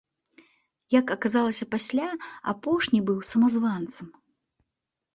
Як аказалася пасля, апошні быў самазванцам.